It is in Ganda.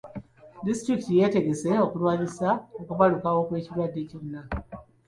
Disitulikiti yeetegese okulwanyisa okubalukawo kw'ekirwadde kyonna.